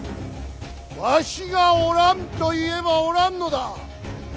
わしがおらんと言えばおらんのだ。